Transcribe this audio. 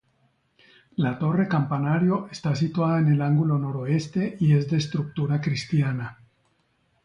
La torre campanario está situada en el ángulo noroeste y es de estructura cristiana.